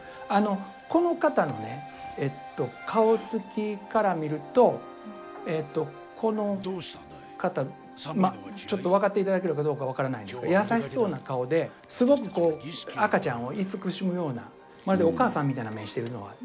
この方のね顔つきから見るとこの方ちょっと分かって頂けるかどうか分からないんですが優しそうな顔ですごく赤ちゃんを慈しむようなまるでお母さんみたいな目してるのが。